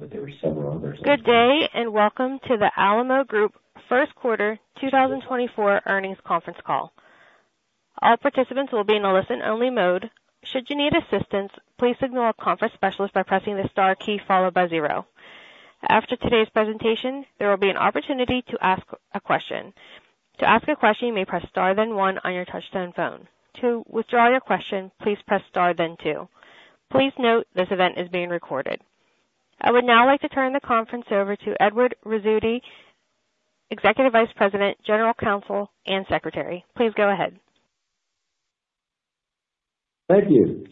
Good day, and welcome to the Alamo Group first quarter 2024 earnings conference call. All participants will be in a listen-only mode. Should you need assistance, please signal a conference specialist by pressing the star key followed by 0. After today's presentation, there will be an opportunity to ask a question. To ask a question, you may press Star, then one on your touchtone phone. To withdraw your question, please press Star, then two. Please note, this event is being recorded. I would now like to turn the conference over to Edward Rizzuti, Executive Vice President, General Counsel, and Secretary. Please go ahead. Thank you.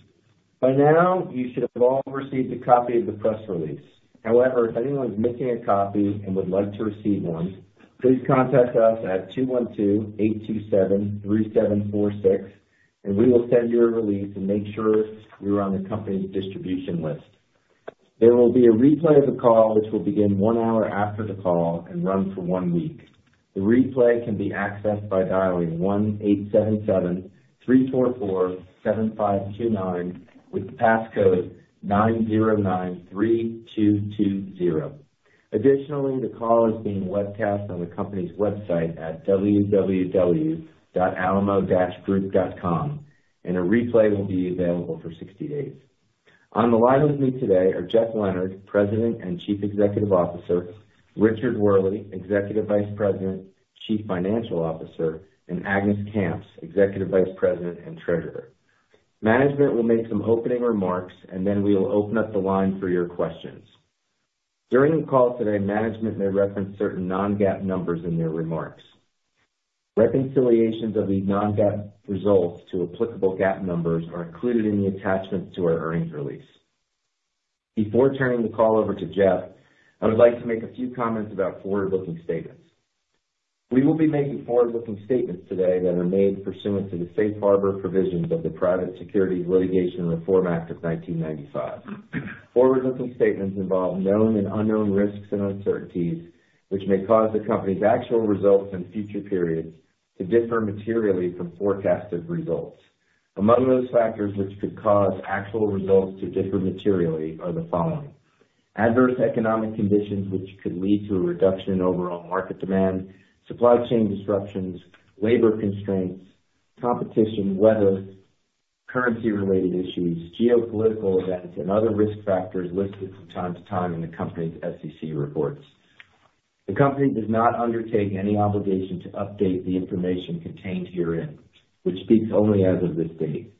By now, you should have all received a copy of the press release. However, if anyone is missing a copy and would like to receive one, please contact us at 212-827-3746, and we will send you a release and make sure you're on the company's distribution list. There will be a replay of the call, which will begin one hour after the call and run for one week. The replay can be accessed by dialing 1-877-344-7529, with the passcode 9093220. Additionally, the call is being webcast on the company's website at www.alamo-group.com, and a replay will be available for 60 days. On the line with me today are Jeff Leonard, President and Chief Executive Officer, Richard Wehrle, Executive Vice President, Chief Financial Officer, and Agnes Kamps, Executive Vice President and Treasurer. Management will make some opening remarks, and then we will open up the line for your questions. During the call today, management may reference certain non-GAAP numbers in their remarks. Reconciliations of these non-GAAP results to applicable GAAP numbers are included in the attachments to our earnings release. Before turning the call over to Jeff, I would like to make a few comments about forward-looking statements. We will be making forward-looking statements today that are made pursuant to the safe harbor provisions of the Private Securities Litigation Reform Act of 1995. Forward-looking statements involve known and unknown risks and uncertainties, which may cause the company's actual results in future periods to differ materially from forecasted results. Among those factors, which could cause actual results to differ materially, are the following: adverse economic conditions, which could lead to a reduction in overall market demand, supply chain disruptions, labor constraints, competition, weather, currency-related issues, geopolitical events, and other risk factors listed from time to time in the company's SEC reports. The company does not undertake any obligation to update the information contained herein, which speaks only as of this date.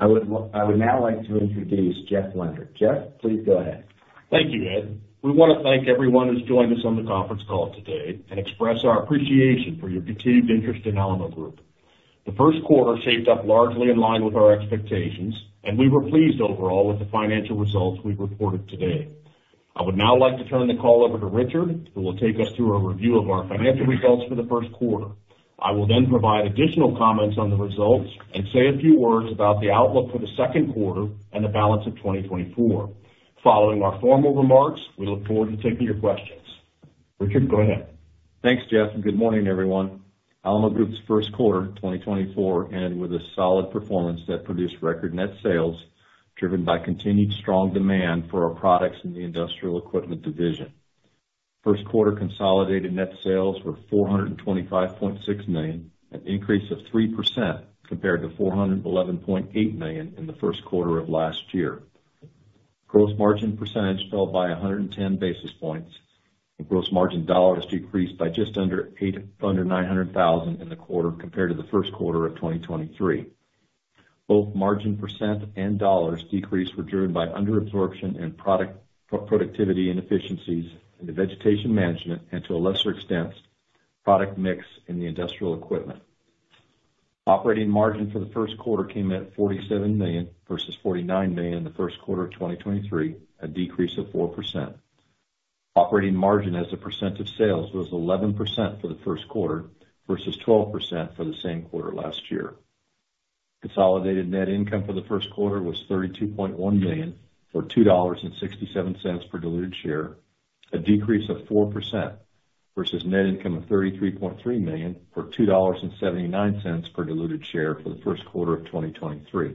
I would now like to introduce Jeff Leonard. Jeff, please go ahead. Thank you, Ed. We want to thank everyone who's joined us on the conference call today and express our appreciation for your continued interest in Alamo Group. The first quarter shaped up largely in line with our expectations, and we were pleased overall with the financial results we've reported today. I would now like to turn the call over to Richard, who will take us through a review of our financial results for the first quarter. I will then provide additional comments on the results and say a few words about the outlook for the second quarter and the balance of 2024. Following our formal remarks, we look forward to taking your questions. Richard, go ahead. Thanks, Jeff, and good morning, everyone. Alamo Group's first quarter, 2024, ended with a solid performance that produced record net sales, driven by continued strong demand for our products in the Industrial Equipment Division. First quarter consolidated net sales were $425.6 million, an increase of 3% compared to $411.8 million in the first quarter of last year. Gross margin percentage fell by 110 basis points, and gross margin dollars decreased by just under $900,000 in the quarter compared to the first quarter of 2023. Both margin percent and dollars decreased were driven by under absorption and productivity inefficiencies in the Vegetation Management, and to a lesser extent, product mix in the Industrial Equipment. Operating margin for the first quarter came in at $47 million, versus $49 million in the first quarter of 2023, a decrease of 4%. Operating margin as a percent of sales was 11% for the first quarter, versus 12% for the same quarter last year. Consolidated net income for the first quarter was $32.1 million, or $2.67 per diluted share, a decrease of 4% versus net income of $33.3 million, for $2.79 per diluted share for the first quarter of 2023.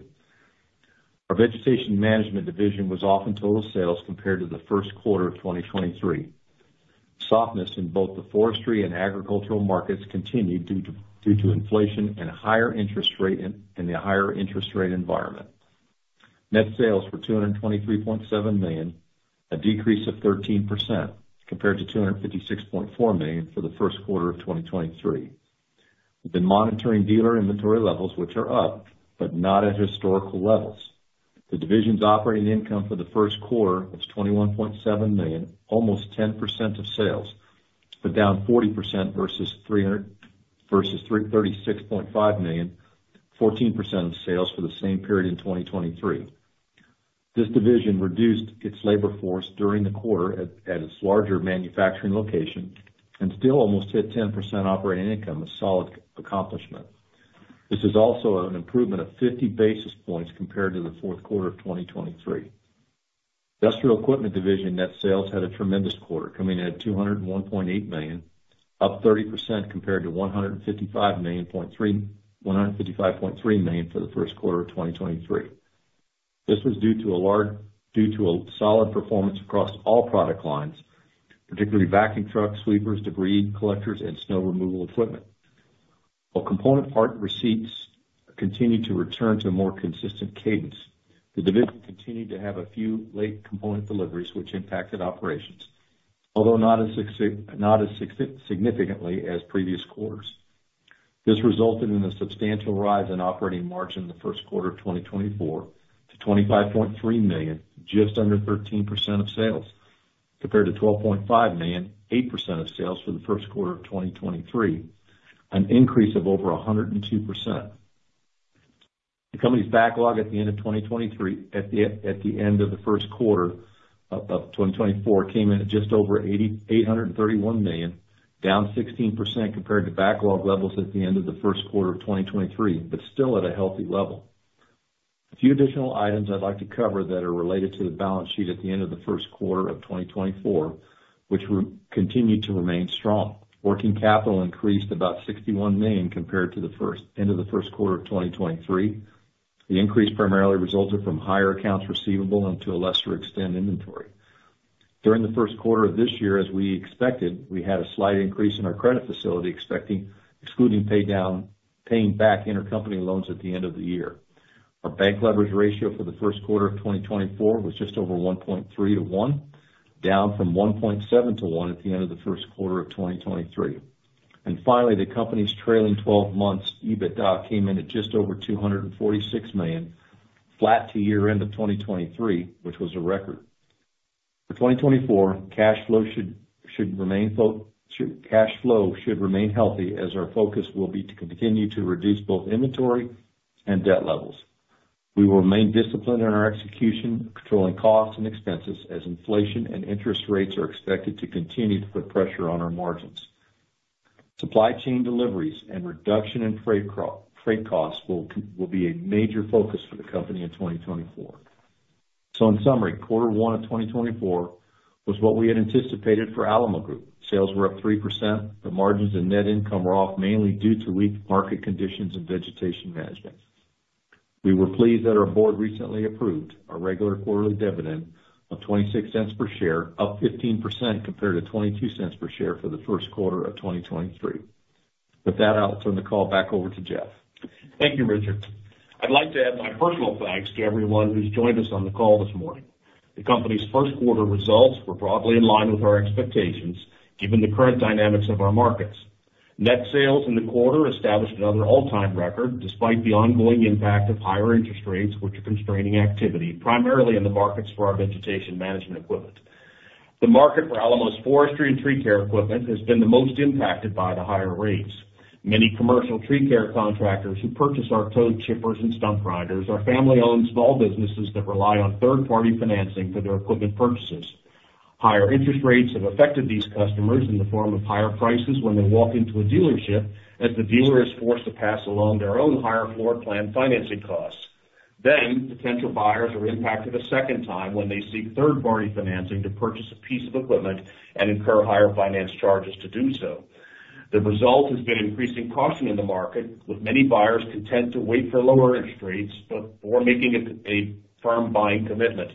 Our Vegetation Management division was off in total sales compared to the first quarter of 2023. Softness in both the forestry and agricultural markets continued due to inflation and higher interest rate in the higher interest rate environment. Net sales were $223.7 million, a decrease of 13% compared to $256.4 million for the first quarter of 2023. We've been monitoring dealer inventory levels, which are up, but not at historical levels. The division's operating income for the first quarter was $21.7 million, almost 10% of sales, but down 40% versus $336.5 million, 14% of sales for the same period in 2023. This division reduced its labor force during the quarter at its larger manufacturing location and still almost hit 10% operating income, a solid accomplishment. This is also an improvement of 50 basis points compared to the fourth quarter of 2023. Industrial Equipment Division net sales had a tremendous quarter, coming in at $201.8 million.... up 30% compared to $155.3 million, $155.3 million for the first quarter of 2023. This was due to a solid performance across all product lines, particularly vacuum trucks, sweepers, debris collectors, and snow removal equipment. While component part receipts continued to return to a more consistent cadence, the division continued to have a few late component deliveries, which impacted operations, although not as significantly as previous quarters. This resulted in a substantial rise in operating margin in the first quarter of 2024 to $25.3 million, just under 13% of sales, compared to $12.5 million, 8% of sales for the first quarter of 2023, an increase of over 102%. The company's backlog at the end of the first quarter of 2024 came in at just over $831 million, down 16% compared to backlog levels at the end of the first quarter of 2023, but still at a healthy level. A few additional items I'd like to cover that are related to the balance sheet at the end of the first quarter of 2024, which continued to remain strong. Working capital increased about $61 million compared to the end of the first quarter of 2023. The increase primarily resulted from higher accounts receivable and to a lesser extent, inventory. During the first quarter of this year, as we expected, we had a slight increase in our credit facility, expecting, excluding pay down, paying back intercompany loans at the end of the year. Our bank leverage ratio for the first quarter of 2024 was just over 1.3 to 1, down from 1.7 to 1 at the end of the first quarter of 2023. Finally, the company's trailing twelve months EBITDA came in at just over $246 million, flat to year-end of 2023, which was a record. For 2024, cash flow should remain healthy as our focus will be to continue to reduce both inventory and debt levels. We will remain disciplined in our execution, controlling costs and expenses as inflation and interest rates are expected to continue to put pressure on our margins. Supply chain deliveries and reduction in freight costs will be a major focus for the company in 2024. So in summary, quarter one of 2024 was what we had anticipated for Alamo Group. Sales were up 3%, but margins and net income were off, mainly due to weak market conditions and Vegetation Management. We were pleased that our board recently approved our regular quarterly dividend of $0.26 per share, up 15% compared to $0.22 per share for the first quarter of 2023. With that, I'll turn the call back over to Jeff. Thank you, Richard. I'd like to add my personal thanks to everyone who's joined us on the call this morning. The company's first quarter results were broadly in line with our expectations, given the current dynamics of our markets. Net sales in the quarter established another all-time record, despite the ongoing impact of higher interest rates, which are constraining activity, primarily in the markets for our Vegetation Management equipment. The market for Alamo's forestry and tree care equipment has been the most impacted by the higher rates. Many commercial tree care contractors who purchase our wood chippers and stump grinders are family-owned small businesses that rely on third-party financing for their equipment purchases. Higher interest rates have affected these customers in the form of higher prices when they walk into a dealership, as the dealer is forced to pass along their own higher floor plan financing costs. Then, potential buyers are impacted a second time when they seek third-party financing to purchase a piece of equipment and incur higher finance charges to do so. The result has been increasing caution in the market, with many buyers content to wait for lower interest rates before making a firm buying commitment.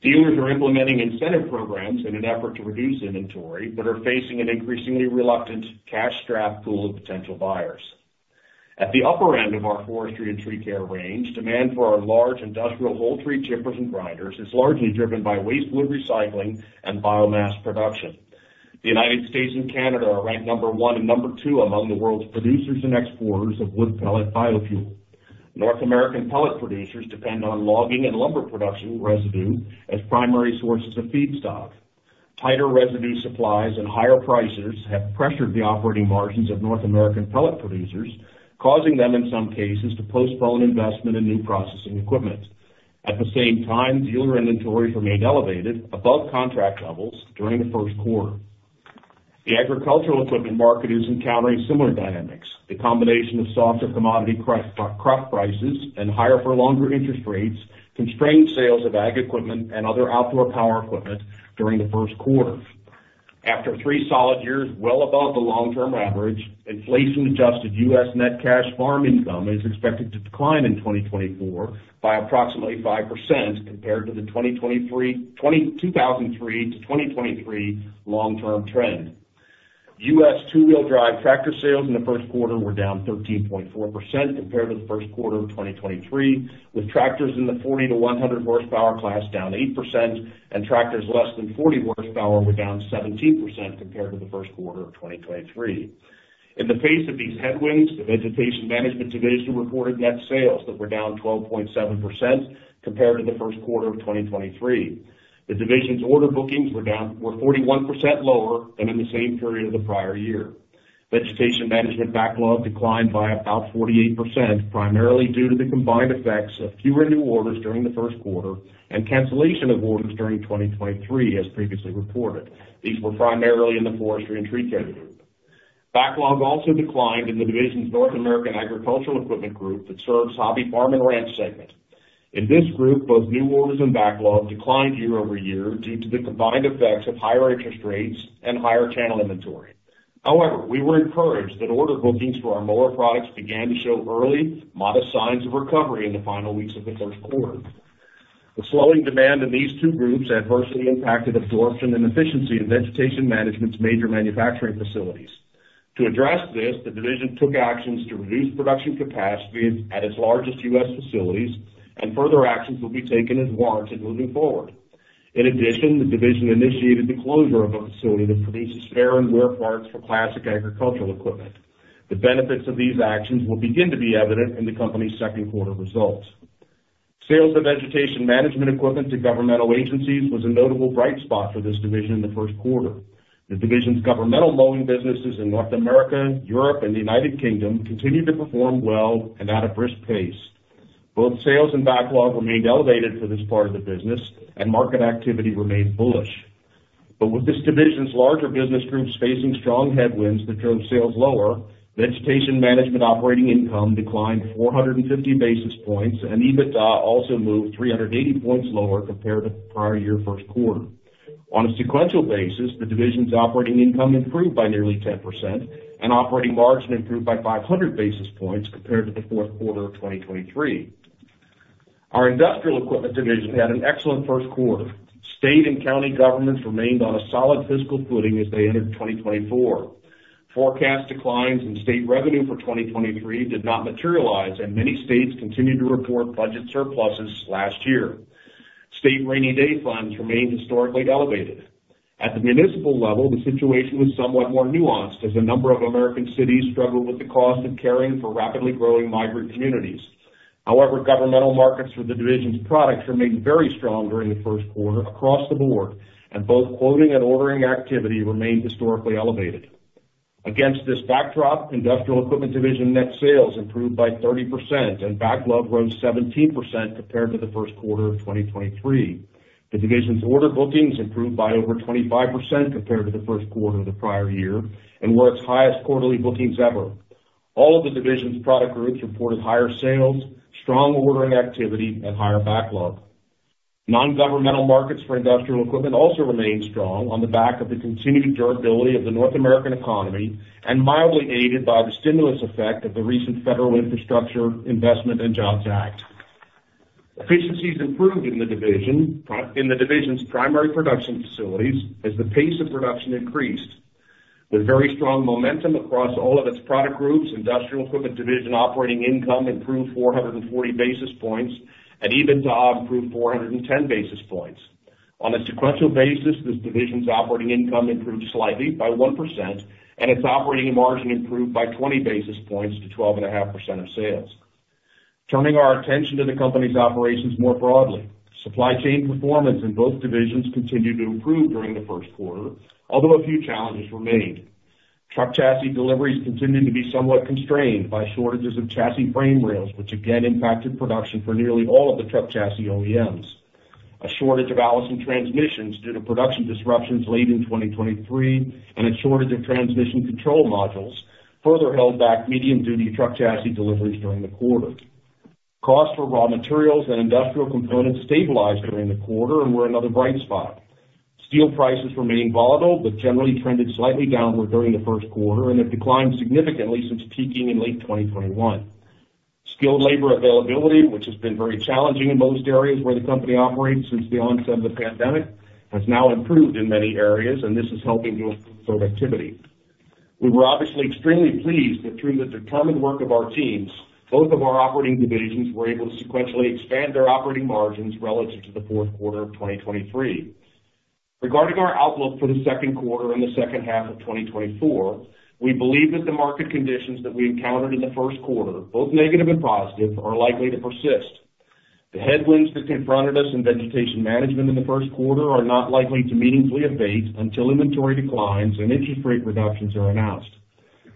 Dealers are implementing incentive programs in an effort to reduce inventory, but are facing an increasingly reluctant, cash-strapped pool of potential buyers. At the upper end of our forestry and tree care range, demand for our large industrial whole tree chippers and grinders is largely driven by waste wood recycling and biomass production. The United States and Canada are ranked number one and number two among the world's producers and exporters of wood pellet biofuel. North American pellet producers depend on logging and lumber production residue as primary sources of feedstock. Tighter residue supplies and higher prices have pressured the operating margins of North American pellet producers, causing them, in some cases, to postpone investment in new processing equipment. At the same time, dealer inventories remained elevated above contract levels during the first quarter. The agricultural equipment market is encountering similar dynamics. The combination of softer commodity price, crop prices and higher for longer interest rates constrained sales of ag equipment and other outdoor power equipment during the first quarter. After three solid years, well above the long-term average, inflation-adjusted U.S. net cash farm income is expected to decline in 2024 by approximately 5% compared to the 2023... 2003-2023 long-term trend. U.S. two-wheel drive tractor sales in the first quarter were down 13.4% compared to the first quarter of 2023, with tractors in the 40-100 horsepower class down 8% and tractors less than 40 horsepower were down 17% compared to the first quarter of 2023. In the face of these headwinds, the Vegetation Management Division reported net sales that were down 12.7% compared to the first quarter of 2023. The division's order bookings were 41% lower than in the same period of the prior year. Vegetation Management backlog declined by about 48%, primarily due to the combined effects of fewer new orders during the first quarter and cancellation of orders during 2023, as previously reported. These were primarily in the forestry and tree care group. Backlog also declined in the division's North American Agricultural Equipment Group that serves hobby, farm, and ranch segment. In this group, both new orders and backlog declined year-over-year due to the combined effects of higher interest rates and higher channel inventory. However, we were encouraged that order bookings for our mower products began to show early, modest signs of recovery in the final weeks of the first quarter. The slowing demand in these two groups adversely impacted absorption and efficiency in Vegetation Management's major manufacturing facilities. To address this, the division took actions to reduce production capacity at its largest U.S. facilities, and further actions will be taken as warranted moving forward. In addition, the division initiated the closure of a facility that produces spare and wear parts for classic agricultural equipment. The benefits of these actions will begin to be evident in the company's second quarter results. Sales of Vegetation Management equipment to governmental agencies was a notable bright spot for this division in the first quarter. The division's governmental mowing businesses in North America, Europe, and the United Kingdom continued to perform well and at a brisk pace. Both sales and backlog remained elevated for this part of the business, and market activity remained bullish. But with this division's larger business groups facing strong headwinds that drove sales lower, Vegetation Management operating income declined 450 basis points, and EBITDA also moved 380 points lower compared to the prior year first quarter. On a sequential basis, the division's operating income improved by nearly 10%, and operating margin improved by 500 basis points compared to the fourth quarter of 2023. Our Industrial Equipment Division had an excellent first quarter. State and county governments remained on a solid fiscal footing as they entered 2024. Forecast declines in state revenue for 2023 did not materialize, and many states continued to report budget surpluses last year. State rainy day funds remained historically elevated. At the municipal level, the situation was somewhat more nuanced, as a number of American cities struggled with the cost of caring for rapidly growing migrant communities. However, governmental markets for the division's products remained very strong during the first quarter across the board, and both quoting and ordering activity remained historically elevated. Against this backdrop, Industrial Equipment Division net sales improved by 30%, and backlog rose 17% compared to the first quarter of 2023. The division's order bookings improved by over 25% compared to the first quarter of the prior year and were its highest quarterly bookings ever. All of the division's product groups reported higher sales, strong ordering activity, and higher backlog. Non-governmental markets for Industrial Equipment also remained strong on the back of the continued durability of the North American economy and mildly aided by the stimulus effect of the recent Federal Infrastructure Investment and Jobs Act. Efficiencies improved in the division, in the division's primary production facilities as the pace of production increased. With very strong momentum across all of its product groups, Industrial Equipment Division operating income improved 400 basis points, and EBITDA improved 410 basis points. On a sequential basis, this division's operating income improved slightly by 1%, and its operating margin improved by 20 basis points to 12.5% of sales. Turning our attention to the company's operations more broadly, supply chain performance in both divisions continued to improve during the first quarter, although a few challenges remained. Truck chassis deliveries continued to be somewhat constrained by shortages of chassis frame rails, which again impacted production for nearly all of the truck chassis OEMs. A shortage of Allison transmissions due to production disruptions late in 2023 and a shortage of transmission control modules further held back medium-duty truck chassis deliveries during the quarter. Costs for raw materials and industrial components stabilized during the quarter and were another bright spot. Steel prices remained volatile, but generally trended slightly downward during the first quarter, and have declined significantly since peaking in late 2021. Skilled labor availability, which has been very challenging in most areas where the company operates since the onset of the pandemic, has now improved in many areas, and this is helping to improve productivity. We were obviously extremely pleased that through the determined work of our teams, both of our operating divisions were able to sequentially expand their operating margins relative to the fourth quarter of 2023. Regarding our outlook for the second quarter and the second half of 2024, we believe that the market conditions that we encountered in the first quarter, both negative and positive, are likely to persist. The headwinds that confronted us in Vegetation Management in the first quarter are not likely to meaningfully abate until inventory declines and interest rate reductions are announced.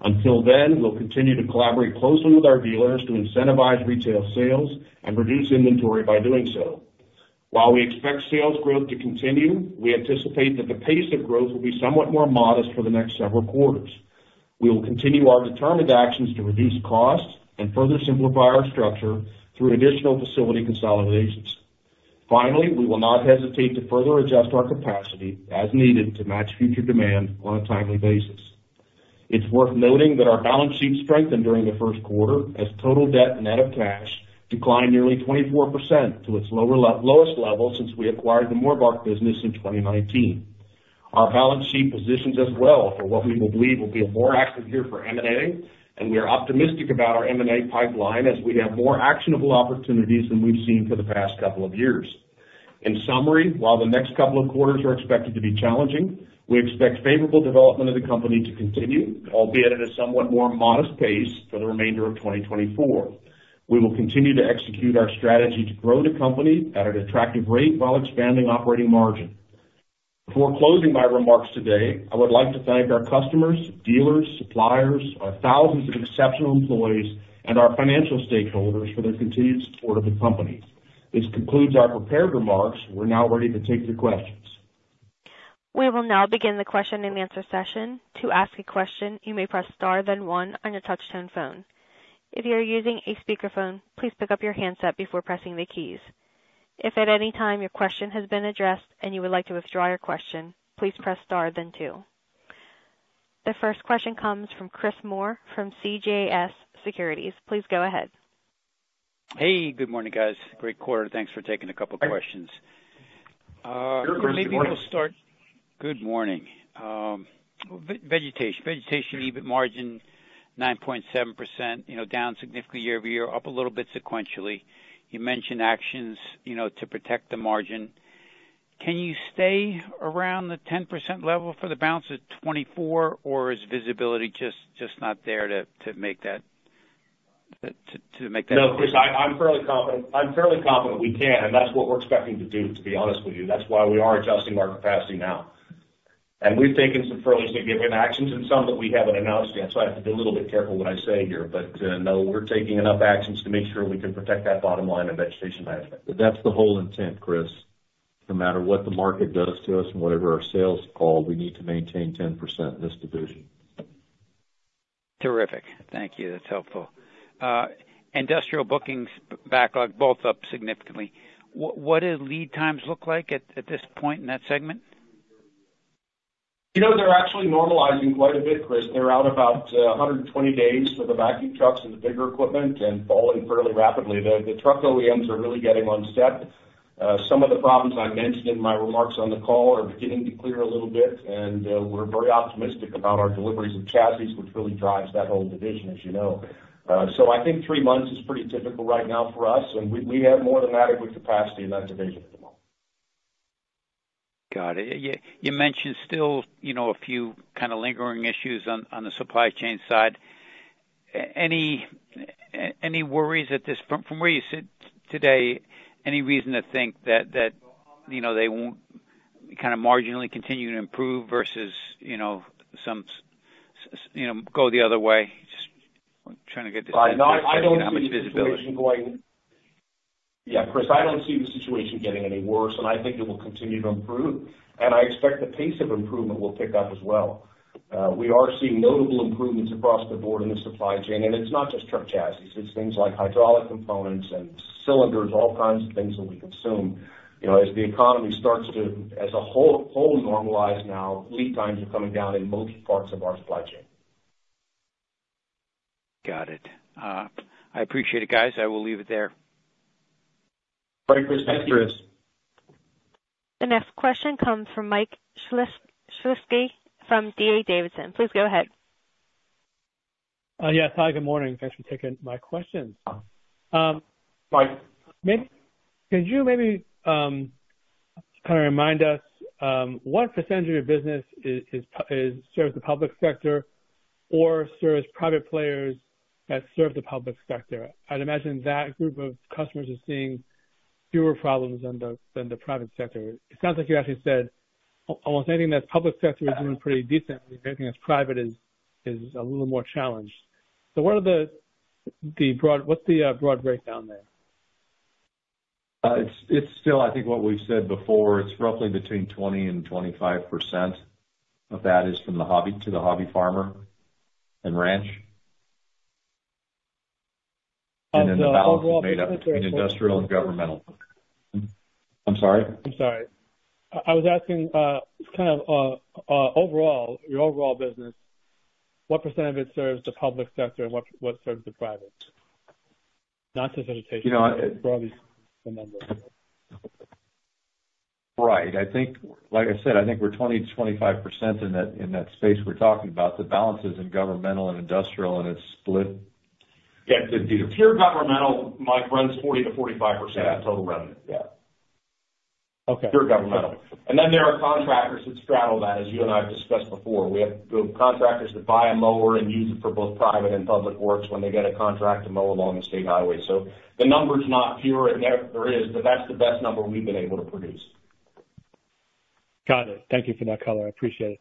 Until then, we'll continue to collaborate closely with our dealers to incentivize retail sales and reduce inventory by doing so. While we expect sales growth to continue, we anticipate that the pace of growth will be somewhat more modest for the next several quarters. We will continue our determined actions to reduce costs and further simplify our structure through additional facility consolidations. Finally, we will not hesitate to further adjust our capacity as needed to match future demand on a timely basis. It's worth noting that our balance sheet strengthened during the first quarter, as total debt net of cash declined nearly 24% to its lowest level since we acquired the Morbark business in 2019. Our balance sheet positions us well for what we believe will be a more active year for M&A, and we are optimistic about our M&A pipeline as we have more actionable opportunities than we've seen for the past couple of years. In summary, while the next couple of quarters are expected to be challenging, we expect favorable development of the company to continue, albeit at a somewhat more modest pace for the remainder of 2024. We will continue to execute our strategy to grow the company at an attractive rate while expanding operating margin. Before closing my remarks today, I would like to thank our customers, dealers, suppliers, our thousands of exceptional employees, and our financial stakeholders for their continued support of the company. This concludes our prepared remarks. We're now ready to take your questions. We will now begin the Q&A. To ask a question, you may press star then one on your touchtone phone. If you're using a speakerphone, please pick up your handset before pressing the keys. If at any time your question has been addressed and you would like to withdraw your question, please press star then two. The first question comes from Chris Moore from CJS Securities. Please go ahead. Hey, good morning, guys. Great quarter. Thanks for taking a couple of questions. Good morning. Maybe we'll start... Good morning. Vegetation, EBITDA margin, 9.7%, you know, down significantly year-over-year, up a little bit sequentially. You mentioned actions, you know, to protect the margin. Can you stay around the 10% level for the balance of 2024, or is visibility just not there to make that- No, Chris, I'm fairly confident, I'm fairly confident we can, and that's what we're expecting to do, to be honest with you. That's why we are adjusting our capacity now. And we've taken some fairly significant actions and some that we haven't announced yet, so I have to be a little bit careful what I say here. But, no, we're taking enough actions to make sure we can protect that bottom line of Vegetation Management. That's the whole intent, Chris. No matter what the market does to us and whatever our sales call, we need to maintain 10% in this division. Terrific. Thank you. That's helpful. Industrial bookings backlog both up significantly. What, what do lead times look like at, at this point in that segment? You know, they're actually normalizing quite a bit, Chris. They're out about 120 days for the vacuum trucks and the bigger equipment and falling fairly rapidly. The truck OEMs are really getting on step. Some of the problems I mentioned in my remarks on the call are beginning to clear a little bit, and we're very optimistic about our deliveries of chassis, which really drives that whole division, as you know. So I think three months is pretty typical right now for us, and we have more than adequate capacity in that division at the moment. Got it. You mentioned still, you know, a few kind of lingering issues on the supply chain side. Any worries that this... From where you sit today, any reason to think that, you know, they won't kind of marginally continue to improve versus, you know, some you know, go the other way? Just trying to get the- No, I don't see the situation going- How much visibility? Yeah, Chris, I don't see the situation getting any worse, and I think it will continue to improve, and I expect the pace of improvement will pick up as well. We are seeing notable improvements across the board in the supply chain, and it's not just truck chassis. It's things like hydraulic components and cylinders, all kinds of things that we consume. You know, as the economy starts to, as a whole, normalize now, lead times are coming down in most parts of our supply chain. Got it. I appreciate it, guys. I will leave it there. Thanks, Chris. Thank you, Chris. The next question comes from Mike Shlisky from D.A. Davidson. Please go ahead. Yes. Hi, good morning. Thanks for taking my questions. Uh, Mike. Could you maybe kind of remind us what percentage of your business is serves the public sector or serves private players that serve the public sector? I'd imagine that group of customers are seeing fewer problems than the private sector. It sounds like you actually said almost anything that's public sector is doing pretty decently. Anything that's private is a little more challenged. So what's the broad breakdown there? It's still, I think, what we've said before, it's roughly between 20% and 25% of that is from the hobby, to the hobby farmer and ranch. And then the balance is made up between industrial and governmental. I'm sorry? I'm sorry. I was asking, kind of, overall, your overall business, what percentage of it serves the public sector and what serves the private? Not just vegetation- You know- Broadly, the number. Right. I think, like I said, I think we're 20%-25% in that, in that space we're talking about. The balance is in governmental and industrial, and it's split. Yeah, pure governmental, Mike, runs 40%-45% of total revenue. Yeah. Okay. Pure governmental. And then there are contractors that straddle that, as you and I have discussed before. We have contractors that buy a mower and use it for both private and public works when they get a contract to mow along a state highway. So the number is not pure, and there is, but that's the best number we've been able to produce. Got it. Thank you for that color. I appreciate it.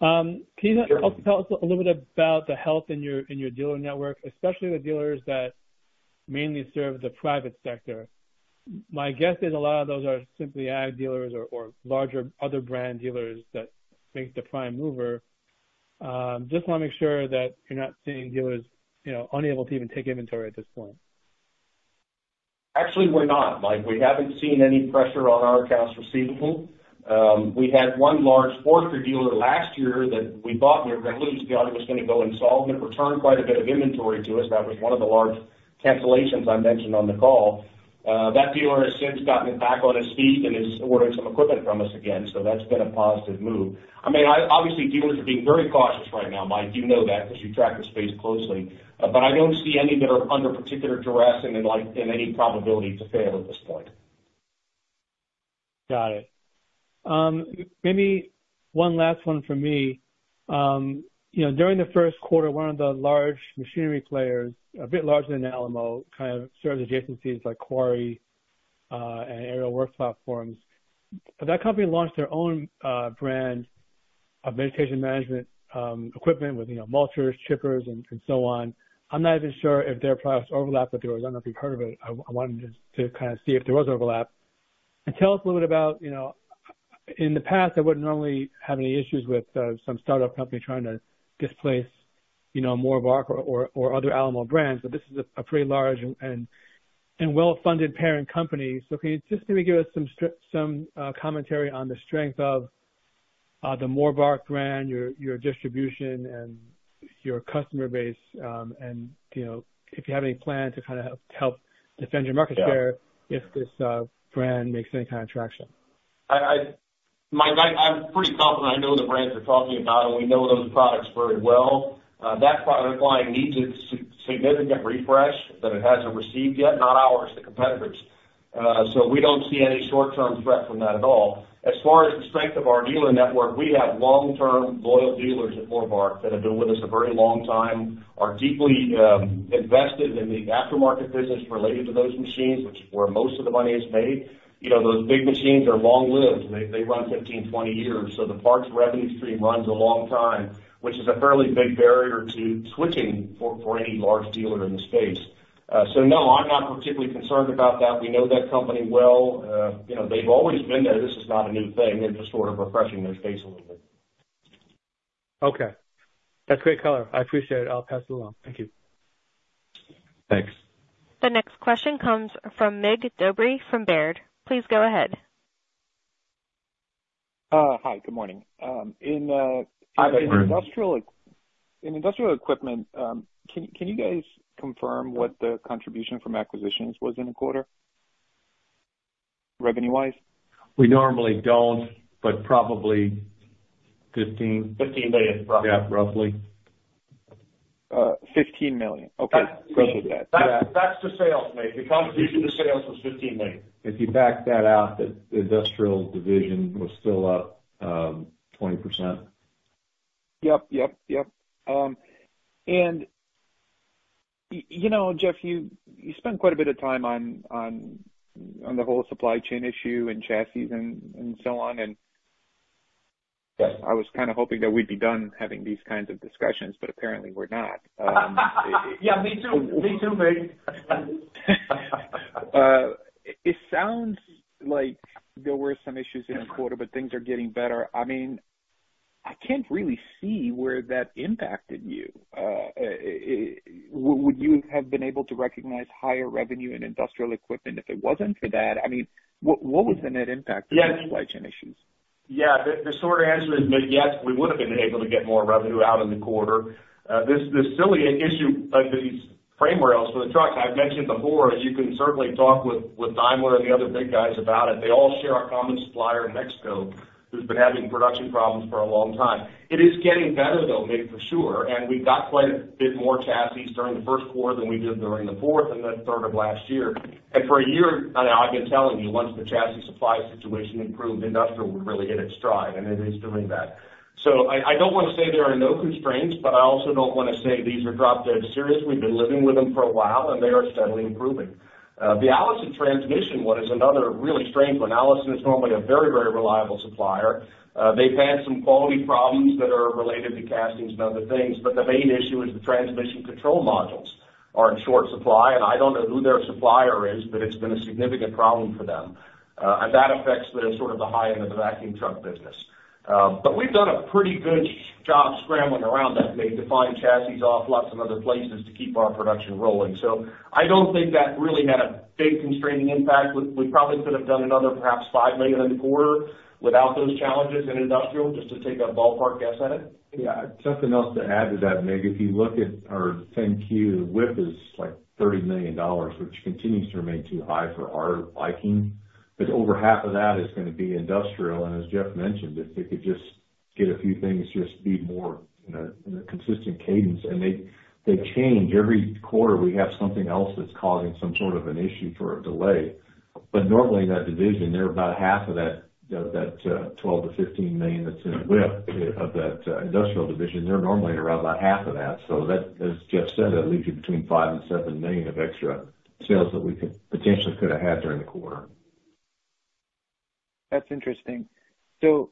Can you also tell us a little bit about the health in your dealer network, especially the dealers that mainly serve the private sector? My guess is a lot of those are simply ag dealers or larger other brand dealers that make the prime mover. Just want to make sure that you're not seeing dealers, you know, unable to even take inventory at this point. Actually, we're not, Mike. We haven't seen any pressure on our accounts receivable. We had one large forester dealer last year that we thought we were going to lose, thought it was going to go insolvent, returned quite a bit of inventory to us. That was one of the large cancellations I mentioned on the call. That dealer has since gotten back on his feet and is ordering some equipment from us again. So that's been a positive move. I mean, obviously, dealers are being very cautious right now, Mike. You know that because you track the space closely. But I don't see any that are under particular duress and in like, in any probability to fail at this point. Got it. Maybe one last one from me. You know, during the first quarter, one of the large machinery players, a bit larger than Alamo, kind of serves adjacencies like quarry and aerial work platforms. But that company launched their own brand.... of Vegetation Management, equipment with, you know, mulchers, chippers, and so on. I'm not even sure if their products overlap with yours. I don't know if you've heard of it. I wanted to kind of see if there was overlap. And tell us a little bit about, you know, in the past, I wouldn't normally have any issues with some startup company trying to displace, you know, Morbark or other Alamo brands, but this is a pretty large and well-funded parent company. So can you just maybe give us some commentary on the strength of the Morbark brand, your distribution, and your customer base, and, you know, if you have any plans to kind of help defend your market share- Yeah. - if this, brand makes any kind of traction? Mike, I'm pretty confident I know the brands you're talking about, and we know those products very well. That product line needs a significant refresh that it hasn't received yet, not ours, the competitor's. So we don't see any short-term threat from that at all. As far as the strength of our dealer network, we have long-term, loyal dealers at Morbark that have been with us a very long time, are deeply invested in the aftermarket business related to those machines, which is where most of the money is made. You know, those big machines are long-lived. They run 15-20 years, so the parts revenue stream runs a long time, which is a fairly big barrier to switching for any large dealer in the space. So no, I'm not particularly concerned about that. We know that company well. You know, they've always been there. This is not a new thing. They're just sort of refreshing their face a little bit. Okay. That's great color. I appreciate it. I'll pass it along. Thank you. Thanks. The next question comes from Mig Dobre from Baird. Please go ahead. Hi, good morning. Hi, Mig. In Industrial Equipment, can you guys confirm what the contribution from acquisitions was in the quarter, revenue wise? We normally don't, but probably 15. $15 million, roughly. Yeah, roughly. $15 million. That's- Okay. Roughly that. That's the sales, Mig. The contribution to sales was $15 million. If you back that out, the industrial division was still up, 20%. Yep, yep, yep. And you know, Jeff, you spent quite a bit of time on the whole supply chain issue and chassis and so on, and- Yes. I was kind of hoping that we'd be done having these kinds of discussions, but apparently we're not. Yeah, me too. Me too, Mig. It sounds like there were some issues in the quarter, but things are getting better. I mean, I can't really see where that impacted you. Would you have been able to recognize higher revenue in Industrial Equipment if it wasn't for that? I mean, what was the net impact- Yeah. - of the supply chain issues? Yeah, the short answer is, Mig, yes, we would've been able to get more revenue out in the quarter. This silly issue of these frame rails for the truck, I've mentioned before, you can certainly talk with Daimler and the other big guys about it. They all share our common supplier in Mexico, who's been having production problems for a long time. It is getting better, though, Mig, for sure, and we got quite a bit more chassis during the first quarter than we did during the fourth and then third of last year. And for a year, I've been telling you, once the chassis supply situation improved, industrial would really hit its stride, and it is doing that. So I don't want to say there are no constraints, but I also don't want to say these are drop dead serious. We've been living with them for a while, and they are steadily improving. The Allison Transmission one is another really strange one. Allison is normally a very, very reliable supplier. They've had some quality problems that are related to castings and other things, but the main issue is the transmission control modules are in short supply, and I don't know who their supplier is, but it's been a significant problem for them. And that affects the, sort of the high end of the vacuum truck business. But we've done a pretty good job scrambling around that to find chassis off lots of other places to keep our production rolling. So I don't think that really had a big constraining impact. We probably could have done another perhaps $5 million in the quarter without those challenges in industrial, just to take a ballpark guess at it. Yeah. Something else to add to that, Mig, if you look at our 10-Q, WIP is like $30 million, which continues to remain too high for our liking, but over half of that is gonna be industrial, and as Jeff mentioned, if they could just get a few things, just be more in a, in a consistent cadence, and they, they change. Every quarter, we have something else that's causing some sort of an issue for a delay. But normally, in that division, they're about half of that, that $12 million-$15 million that's in WIP of that industrial division, they're normally around about half of that. So that, as Jeff said, that leaves you between $5 million and $7 million of extra sales that we could potentially could have had during the quarter. That's interesting. So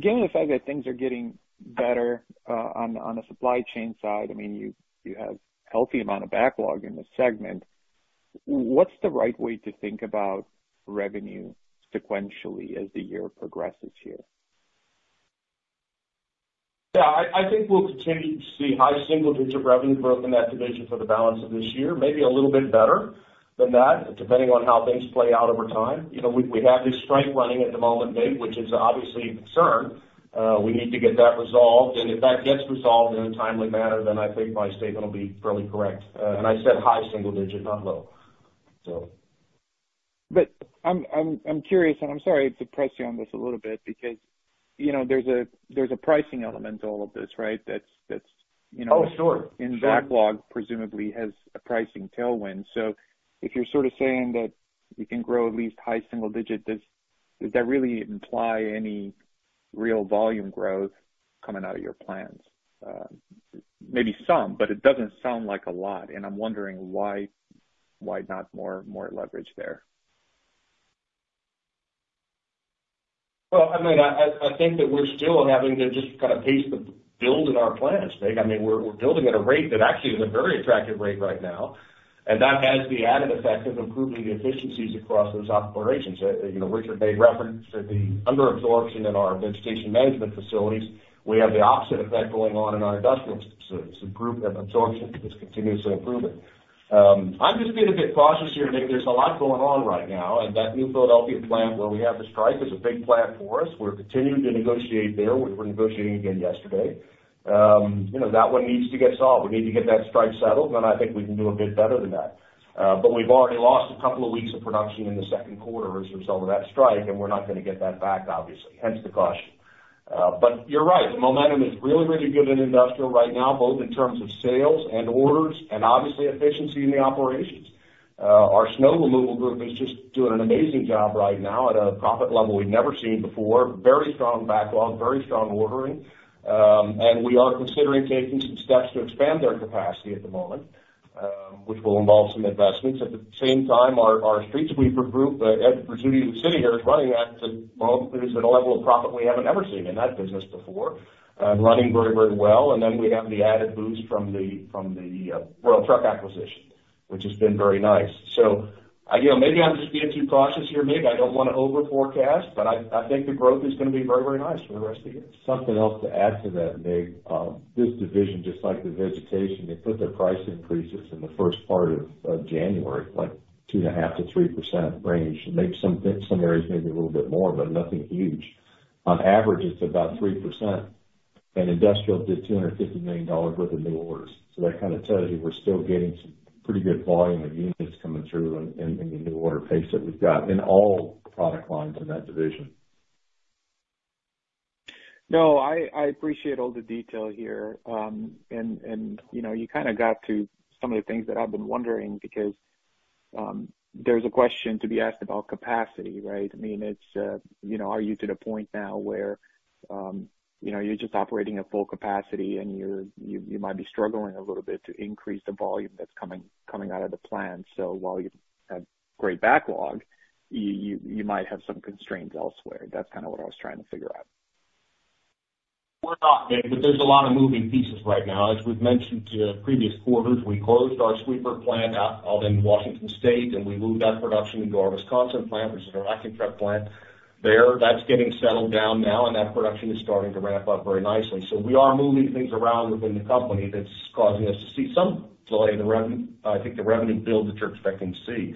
given the fact that things are getting better on the supply chain side, I mean, you have healthy amount of backlog in this segment. What's the right way to think about revenue sequentially as the year progresses here? Yeah, I think we'll continue to see high single digit revenue growth in that division for the balance of this year, maybe a little bit better than that, depending on how things play out over time. You know, we have this strike running at the moment, Mig, which is obviously a concern. We need to get that resolved, and if that gets resolved in a timely manner, then I think my statement will be fairly correct. And I said high single digit, not low, so. But I'm curious, and I'm sorry to press you on this a little bit, because, you know, there's a pricing element to all of this, right? That's, you know- Oh, sure. Backlog presumably has a pricing tailwind. So if you're sort of saying that you can grow at least high single digit, does that really imply any real volume growth coming out of your plans? Maybe some, but it doesn't sound like a lot, and I'm wondering why not more leverage there? Well, I mean, I think that we're still having to just kind of pace the build in our plants, Mig. I mean, we're building at a rate that actually is a very attractive rate right now, and that has the added effect of improving the efficiencies across those operations. You know, Richard made reference to the under absorption in our Vegetation Management facilities. We have the opposite effect going on in our industrial group, that absorption is continuously improving. I'm just being a bit cautious here, Mig. There's a lot going on right now, and that New Philadelphia plant where we have the strike is a big plant for us. We're continuing to negotiate there. We were negotiating again yesterday. You know, that one needs to get solved. We need to get that strike settled, then I think we can do a bit better than that. But we've already lost a couple of weeks of production in the second quarter as a result of that strike, and we're not gonna get that back, obviously, hence the caution. But you're right, the momentum is really, really good in industrial right now, both in terms of sales and orders and obviously efficiency in the operations. Our snow removal group is just doing an amazing job right now at a profit level we've never seen before. Very strong backlog, very strong ordering. And we are considering taking some steps to expand their capacity at the moment, which will involve some investments. At the same time, our street sweeper group, that Ed Rizzuti in the city here, is running at a, well, is at a level of profit we haven't ever seen in that business before, and running very, very well. And then we have the added boost from the Royal Truck acquisition, which has been very nice. So, you know, maybe I'm just being too cautious here, Mig. I don't wanna over forecast, but I think the growth is gonna be very, very nice for the rest of the year. Something else to add to that, Mig. This division, just like the vegetation, they put their price increases in the first part of January, like 2.5%-3% range, and maybe some areas, maybe a little bit more, but nothing huge. On average, it's about 3%, and industrial did $250 million worth of new orders. So that kind of tells you, we're still getting some pretty good volume of units coming through in the new order pace that we've got in all product lines in that division. No, I, I appreciate all the detail here. And, you know, you kind of got to some of the things that I've been wondering, because, there's a question to be asked about capacity, right? I mean, it's, you know, are you to the point now where, you know, you're just operating at full capacity and you're, you, you might be struggling a little bit to increase the volume that's coming, coming out of the plant. So while you have great backlog, you, you, you might have some constraints elsewhere. That's kind of what I was trying to figure out. We're not, Mig, but there's a lot of moving pieces right now. As we've mentioned to previous quarters, we closed our sweeper plant out in Washington State, and we moved that production into our Wisconsin plant, which is our active truck plant. There, that's getting settled down now, and that production is starting to ramp up very nicely. So we are moving things around within the company that's causing us to see some delay in the revenue, I think the revenue build that you're expecting to see.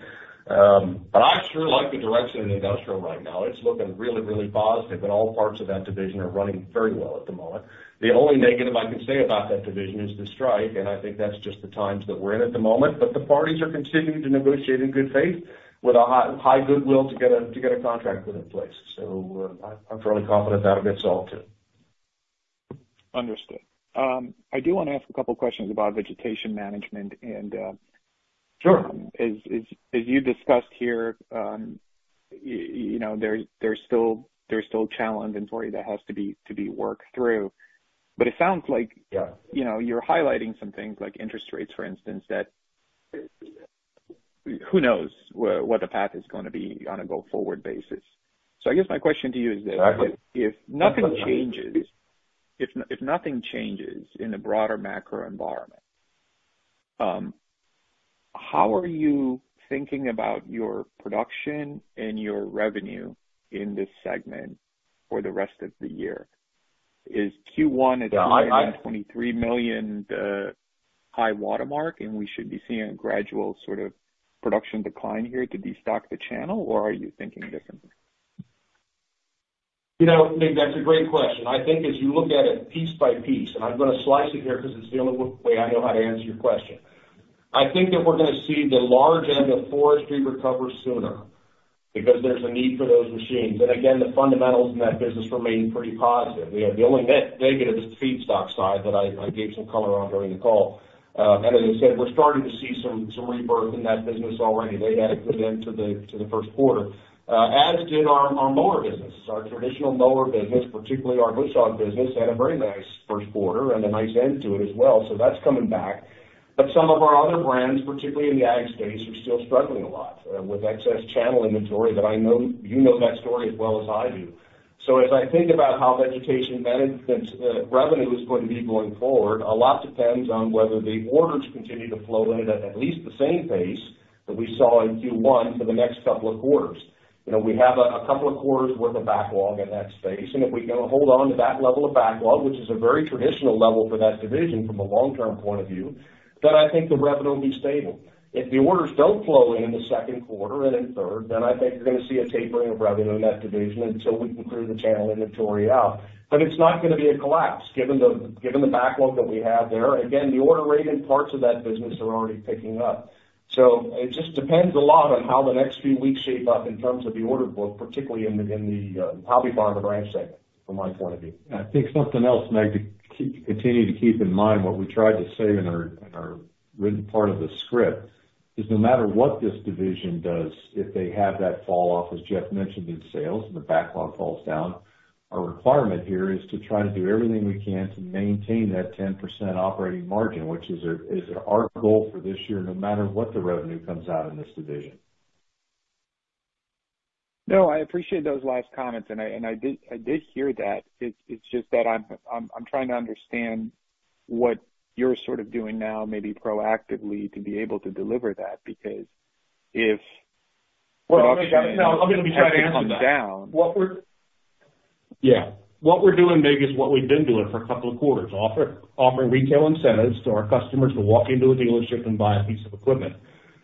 But I actually like the direction in industrial right now. It's looking really, really positive, and all parts of that division are running very well at the moment. The only negative I can say about that division is the strike, and I think that's just the times that we're in at the moment. But the parties are continuing to negotiate in good faith with a high, high goodwill to get a contract put in place. So, I'm fairly confident that'll get solved, too. Understood. I do wanna ask a couple questions about Vegetation Management and, Sure. As you discussed here, you know, there's still challenged inventory that has to be worked through. But it sounds like- Yeah. You know, you're highlighting some things like interest rates, for instance, that... Who knows what the path is gonna be on a go-forward basis? So I guess my question to you is this: Exactly. If nothing changes in the broader macro environment, how are you thinking about your production and your revenue in this segment for the rest of the year? Is Q1 at $23 million high watermark, and we should be seeing a gradual sort of production decline here to destock the channel, or are you thinking differently? You know, Mig, that's a great question. I think as you look at it piece by piece, and I'm gonna slice it here because it's the only way I know how to answer your question. I think that we're gonna see the large end of forestry recover sooner because there's a need for those machines. And again, the fundamentals in that business remain pretty positive. You know, the only negative is the feedstock side that I gave some color on during the call. And as I said, we're starting to see some rebirth in that business already. They had a good end to the first quarter, as did our mower business. Our traditional mower business, particularly our Bush Hog business, had a very nice first quarter and a nice end to it as well, so that's coming back. But some of our other brands, particularly in the ag space, are still struggling a lot with excess channel inventory that I know, you know that story as well as I do. So as I think about how Vegetation Management revenue is going to be going forward, a lot depends on whether the orders continue to flow in at least the same pace that we saw in Q1 for the next couple of quarters. You know, we have a couple of quarters worth of backlog in that space, and if we can hold on to that level of backlog, which is a very traditional level for that division from a long-term point of view, then I think the revenue will be stable. If the orders don't flow in in the second quarter and in third, then I think you're gonna see a tapering of revenue in that division until we can clear the channel inventory out. But it's not gonna be a collapse, given the backlog that we have there. Again, the order rate in parts of that business are already picking up. So it just depends a lot on how the next few weeks shape up in terms of the order book, particularly in the hobby farmer ranch segment, from my point of view. I think something else, Mig, to continue to keep in mind, what we tried to say in our, in our written part of the script, is no matter what this division does, if they have that falloff, as Jeff mentioned, in sales and the backlog falls down, our requirement here is to try to do everything we can to maintain that 10% operating margin, which is our, is our goal for this year, no matter what the revenue comes out in this division. No, I appreciate those last comments, and I did hear that. It's just that I'm trying to understand what you're sort of doing now, maybe proactively, to be able to deliver that, because if- Well, I'm gonna be happy to answer that. Down. What we're doing, Mig, is what we've been doing for a couple of quarters: offering retail incentives to our customers to walk into a dealership and buy a piece of equipment,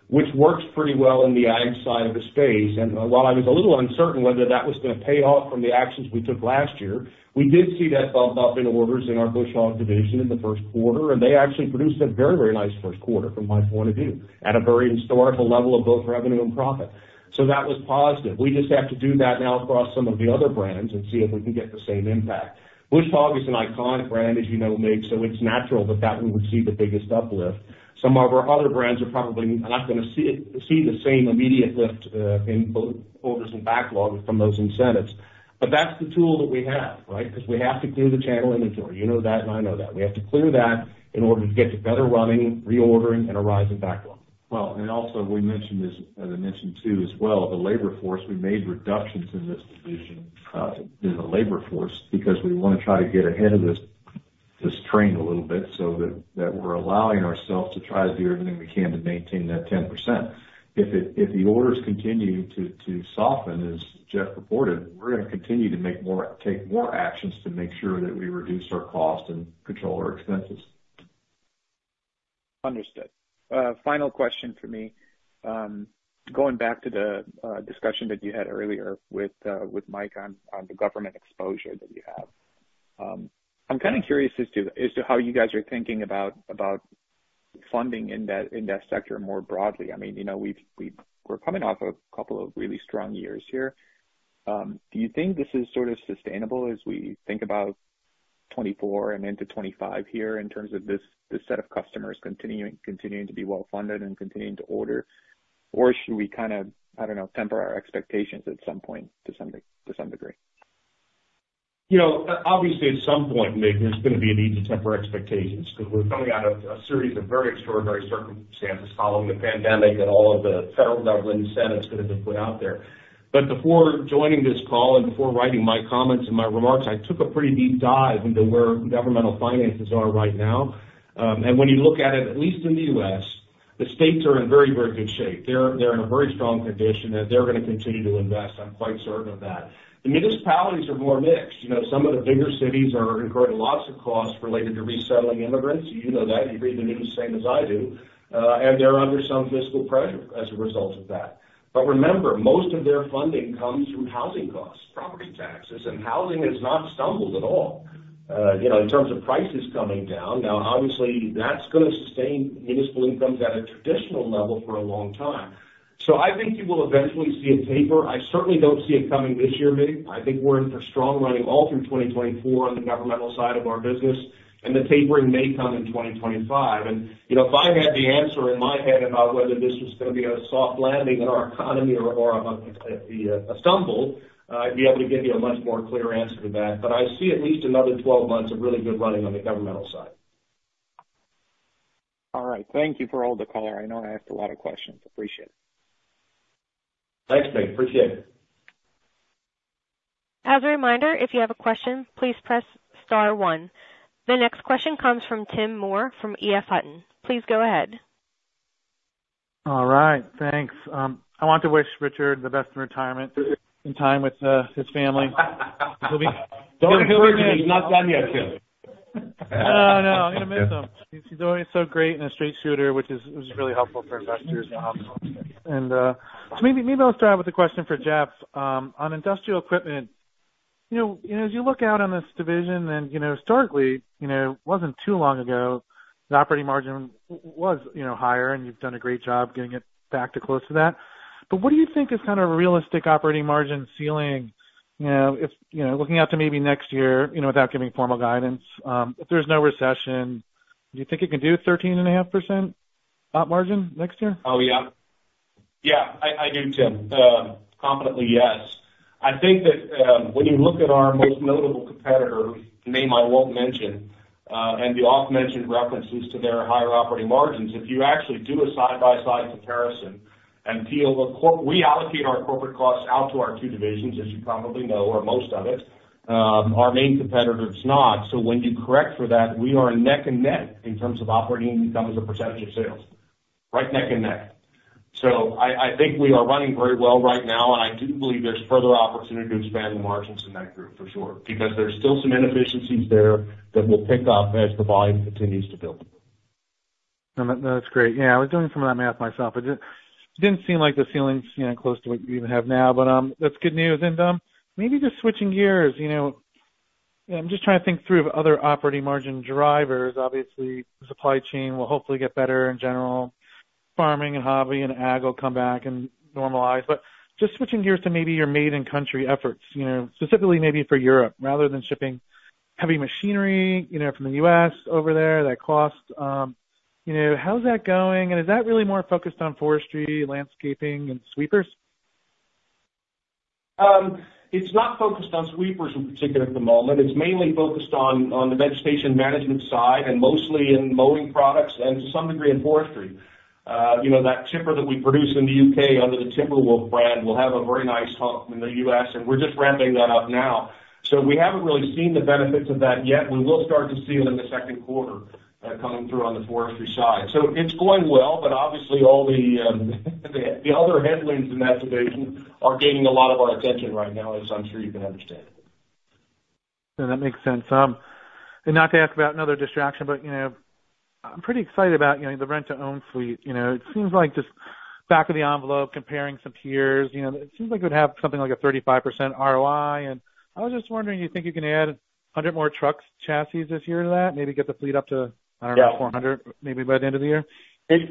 which works pretty well in the ag side of the space. And while I was a little uncertain whether that was gonna pay off from the actions we took last year, we did see that bump up in orders in our Bush Hog division in the first quarter, and they actually produced a very, very nice first quarter from my point of view, at a very historical level of both revenue and profit. So that was positive. We just have to do that now across some of the other brands and see if we can get the same impact. Bush Hog is an iconic brand, as you know, Mig, so it's natural that that one would see the biggest uplift. Some of our other brands are probably not gonna see it, see the same immediate lift, in both orders and backlogs from those incentives. But that's the tool that we have, right? Because we have to clear the channel inventory. You know that, and I know that. We have to clear that in order to get to better running, reordering, and a rise in backlog. Well, and also, we mentioned this, as I mentioned, too, as well, the labor force. We made reductions in this division in the labor force, because we wanna try to get ahead of this, this train a little bit so that, that we're allowing ourselves to try to do everything we can to maintain that 10%. If it, if the orders continue to, to soften, as Jeff reported, we're gonna continue to take more actions to make sure that we reduce our cost and control our expenses. Understood. Final question for me. Going back to the discussion that you had earlier with Mike on the government exposure that you have. I'm kind of curious as to how you guys are thinking about funding in that sector more broadly. I mean, you know, we're coming off a couple of really strong years here. Do you think this is sort of sustainable as we think about 2024 and into 2025 here, in terms of this set of customers continuing to be well-funded and continuing to order? Or should we kind of, I don't know, temper our expectations at some point, to some degree? You know, obviously, at some point, Mig, there's gonna be a need to temper expectations, because we're coming out of a series of very extraordinary circumstances following the pandemic and all of the federal government incentives that have been put out there. But before joining this call and before writing my comments and my remarks, I took a pretty deep dive into where governmental finances are right now. And when you look at it, at least in the U.S., the states are in very, very good shape. They're, they're in a very strong position, and they're gonna continue to invest. I'm quite certain of that. The municipalities are more mixed. You know, some of the bigger cities are incurring lots of costs related to resettling immigrants. You know that. You read the news same as I do. They're under some fiscal pressure as a result of that. But remember, most of their funding comes from housing costs, property taxes, and housing has not stumbled at all. You know, in terms of prices coming down, now, obviously, that's gonna sustain municipal incomes at a traditional level for a long time. So I think you will eventually see a taper. I certainly don't see it coming this year, Mig. I think we're in for strong running all through 2024 on the governmental side of our business, and the tapering may come in 2025. You know, if I had the answer in my head about whether this was gonna be a soft landing in our economy or a stumble, I'd be able to give you a much more clear answer to that. I see at least another 12 months of really good running on the governmental side. All right. Thank you for all the color. I know I asked a lot of questions. Appreciate it. Thanks, Mig. Appreciate it. As a reminder, if you have a question, please press star one. The next question comes from Tim Moore from EF Hutton. Please go ahead. All right. Thanks. I want to wish Richard the best in retirement, and time with his family. Don't do it, he's not done yet, Tim. Oh, no, I'm gonna miss him. He's always so great and a straight shooter, which is really helpful for investors and... So maybe, maybe I'll start out with a question for Jeff. On Industrial Equipment, you know, you know, as you look out on this division, and, you know, historically, you know, it wasn't too long ago, the operating margin was, you know, higher, and you've done a great job getting it back to close to that. But what do you think is kind of a realistic operating margin ceiling, you know, if, you know, looking out to maybe next year, you know, without giving formal guidance, if there's no recession, do you think it can do 13.5% op margin next year? Oh, yeah. Yeah, I, I do, Tim. Confidently, yes. I think that, when you look at our most notable competitor, whose name I won't mention, and the oft-mentioned references to their higher operating margins, if you actually do a side-by-side comparison we allocate our corporate costs out to our two divisions, as you probably know, or most of it, our main competitor's not. So when you correct for that, we are neck and neck in terms of operating income as a percentage of sales. Right neck and neck. So I, I think we are running very well right now, and I do believe there's further opportunity to expand the margins in that group for sure, because there's still some inefficiencies there that will tick up as the volume continues to build. No, no, that's great. Yeah, I was doing some of that math myself. It didn't seem like the ceiling's, you know, close to what you even have now, but that's good news. And maybe just switching gears, you know, I'm just trying to think through other operating margin drivers. Obviously, the supply chain will hopefully get better in general. Farming and hobby and ag will come back and normalize. But just switching gears to maybe your made-in-country efforts, you know, specifically maybe for Europe, rather than shipping heavy machinery, you know, from the U.S. over there, that costs, you know, how's that going? And is that really more focused on forestry, landscaping, and sweepers? It's not focused on sweepers in particular at the moment. It's mainly focused on the Vegetation Management side, and mostly in mowing products and to some degree, in forestry. You know, that timber that we produce in the U.K. under the Timberwolf brand will have a very nice home in the U.S., and we're just ramping that up now. So we haven't really seen the benefits of that yet. We will start to see it in the second quarter, coming through on the forestry side. So it's going well, but obviously, all the, the other headwinds in that division are gaining a lot of our attention right now, as I'm sure you can understand. No, that makes sense. And not to ask about another distraction, but, you know, I'm pretty excited about, you know, the rent-to-own fleet. You know, it seems like just back of the envelope, comparing some peers, you know, it seems like it would have something like a 35% ROI, and I was just wondering, you think you can add 100 more truck chassis this year to that? Maybe get the fleet up to- Yeah. I don't know, 400, maybe by the end of the year? It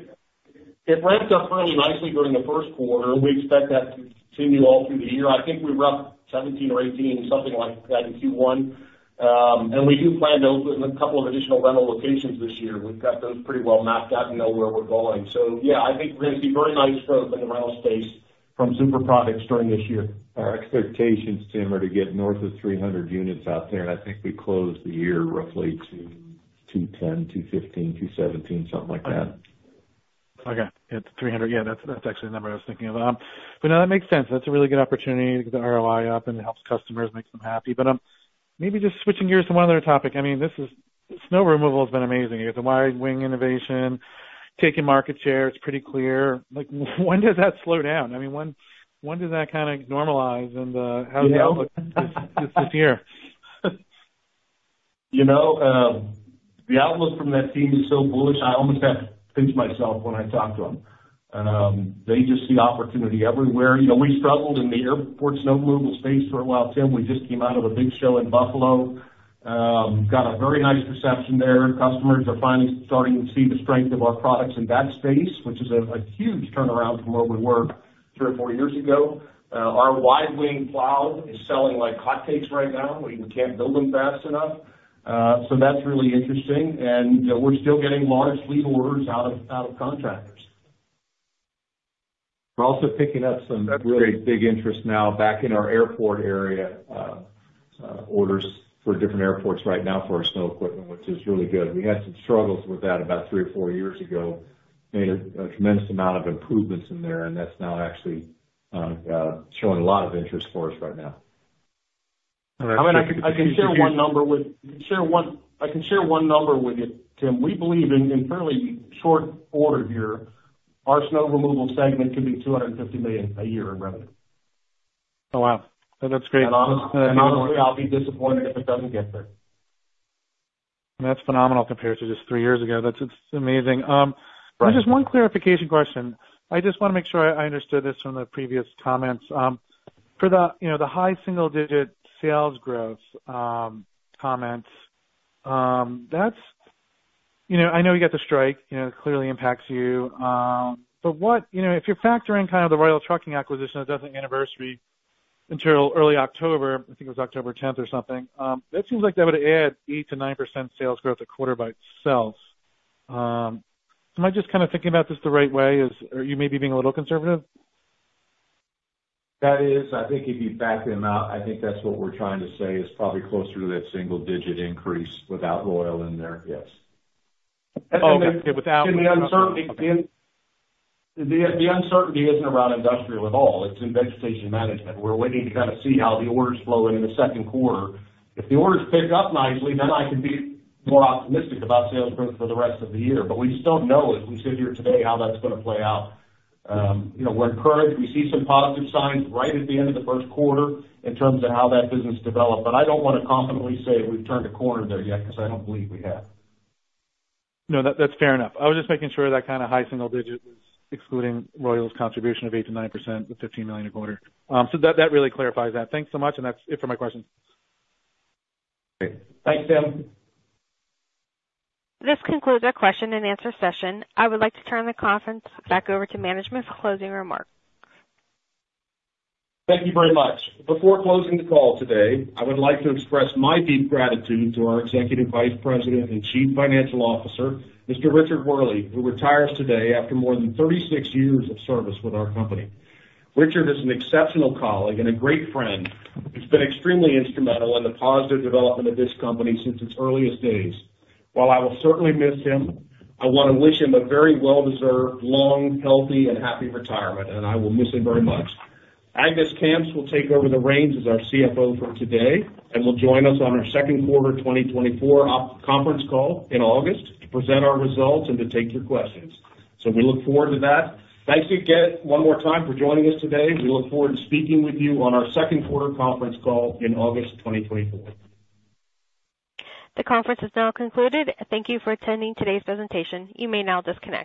ramped up fairly nicely during the first quarter. We expect that to continue all through the year. I think roughly 17 or 18, something like that, in Q1. And we do plan to open a couple of additional rental locations this year. We've got those pretty well mapped out and know where we're going. So yeah, I think we're gonna see very nice growth in the rental space from Super Products during this year. Our expectations, Tim, are to get north of 300 units out there, and I think we closed the year roughly 210, 215, 217, something like that. Okay. It's 300. Yeah, that's, that's actually the number I was thinking of. But no, that makes sense. That's a really good opportunity to get the ROI up, and it helps customers, makes them happy. But, maybe just switching gears to one other topic. I mean, this is... snow removal has been amazing. You got the Wide Wing innovation, taking market share. It's pretty clear. Like, when does that slow down? I mean, when, when does that kinda normalize and, You know. How's the outlook this year? You know, the outlook from that team is so bullish, I almost have to pinch myself when I talk to them. They just see opportunity everywhere. You know, we struggled in the airport snow removal space for a while, Tim. We just came out of a big show in Buffalo. Got a very nice reception there. Customers are finally starting to see the strength of our products in that space, which is a huge turnaround from where we were three or four years ago. Our Wide Wing plow is selling like hotcakes right now. We can't build them fast enough. So that's really interesting, and we're still getting large fleet orders out of contractors. We're also picking up some really big interest now back in our airport area, orders for different airports right now for our snow equipment, which is really good. We had some struggles with that about 3 or 4 years ago. Made a tremendous amount of improvements in there, and that's now actually showing a lot of interest for us right now. All right. I mean, I can share one number with you, Tim. We believe in fairly short order here, our snow removal segment could be $250 million a year in revenue. Oh, wow. That's great. Honestly, I'll be disappointed if it doesn't get there. That's phenomenal compared to just three years ago. That's just amazing. Right. Just one clarification question. I just wanna make sure I understood this from the previous comments. For the, you know, the high single-digit sales growth comments, that's... You know, I know you got the strike, you know, it clearly impacts you. But what-- You know, if you factor in kind of the Royal Truck & Equipment acquisition, it doesn't anniversary until early October, I think it was October tenth or something, that seems like that would add 8%-9% sales growth a quarter by itself. Am I just kind of thinking about this the right way, is... Are you maybe being a little conservative? That is. I think if you back them out, I think that's what we're trying to say, is probably closer to that single-digit increase without Royal in there, yes. Okay, without- The uncertainty. Okay. The uncertainty isn't around industrial at all. It's in Vegetation Management. We're waiting to kind of see how the orders flow in, in the second quarter. If the orders pick up nicely, then I can be more optimistic about sales growth for the rest of the year. But we just don't know, as we sit here today, how that's gonna play out. You know, we're encouraged. We see some positive signs right at the end of the first quarter in terms of how that business developed, but I don't want to confidently say we've turned a corner there yet, 'cause I don't believe we have. No, that, that's fair enough. I was just making sure that kind of high single digit was excluding Royal's contribution of 8%-9%, with $15 million a quarter. So that, that really clarifies that. Thanks so much, and that's it for my questions. Great. Thanks, Tim. This concludes our question and answer session. I would like to turn the conference back over to management for closing remarks. Thank you very much. Before closing the call today, I would like to express my deep gratitude to our Executive Vice President and Chief Financial Officer, Mr. Richard Wehrle, who retires today after more than 36 years of service with our company. Richard is an exceptional colleague and a great friend, who's been extremely instrumental in the positive development of this company since its earliest days. While I will certainly miss him, I want to wish him a very well-deserved, long, healthy and happy retirement, and I will miss him very much. Agnes Kamps will take over the reins as our CFO for today and will join us on our second quarter 2024 conference call in August to present our results and to take your questions. So we look forward to that. Thank you again, one more time for joining us today. We look forward to speaking with you on our second quarter conference call in August of 2024. The conference has now concluded. Thank you for attending today's presentation. You may now disconnect.